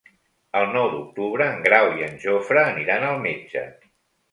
El nou d'octubre en Grau i en Jofre aniran al metge.